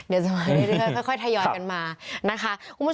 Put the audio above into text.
เดี๋ยวจะมาเรื่อยค่อยทยอยกันมานะคะ